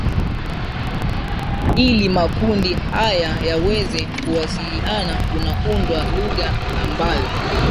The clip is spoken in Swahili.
ila makundi haya yawezekuwasiliana kunaundwa lugha ambayo